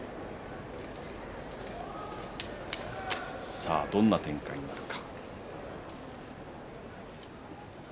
さあ、どんな展開になるか。